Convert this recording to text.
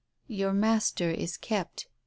"Your master is kept. ...